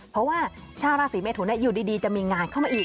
เพราะว่าชาวราศีเมทุนอยู่ดีจะมีงานเข้ามาอีก